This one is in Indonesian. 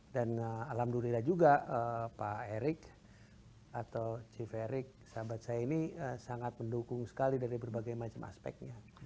dan alhamdulillah juga pak erick atau chief erick sahabat saya ini sangat mendukung sekali dari berbagai macam aspeknya